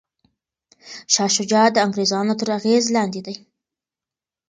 شاه شجاع د انګریزانو تر اغیز لاندې دی.